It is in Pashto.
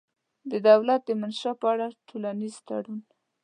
د دولت د منشا په اړه ټولنیز تړون